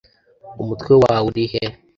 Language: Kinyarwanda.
umutwe wawe uri he